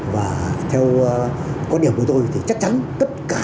và theo quan điểm của tôi thì chắc chắn tất cả